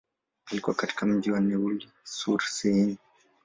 Alikua katika mji wa Neuilly-sur-Seine.